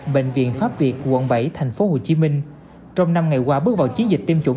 bệnh viện pháp việt quận bảy tp hcm trong năm ngày qua bước vào chiến dịch tiêm chủng